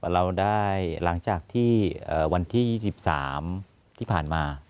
เราได้หลังจากที่เอ่อวันที่ยี่สิบสามที่ผ่านมา